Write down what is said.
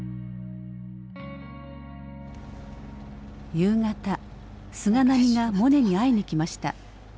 夕方菅波がモネに会いに来ました。